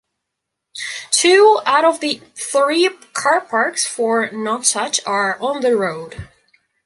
Two out of the three car parks for Nonsuch are on the road.